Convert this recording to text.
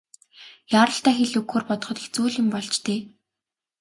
Яаралтай хэл өгөхөөр бодоход хэцүү л юм болж дээ.